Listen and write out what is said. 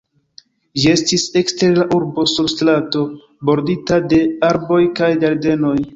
Ĝi estis ekster la urbo sur strato bordita de arboj kaj ĝardenoj.